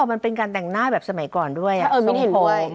ไม่รอมันเป็นการแต่งหน้าแบบสมัยก่อนด้วยอ่ะส่วนโผล่ไม่เห็นด้วย